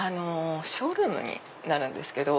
ショールームになるんですけど。